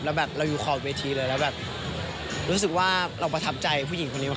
แล้วแบบเราอยู่ขอบเวทีเลยแล้วแบบรู้สึกว่าเราประทับใจผู้หญิงคนนี้